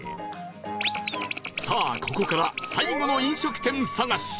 さあここから最後の飲食店探し